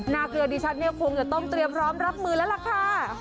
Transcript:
เกลือดิฉันเนี่ยคงจะต้องเตรียมพร้อมรับมือแล้วล่ะค่ะ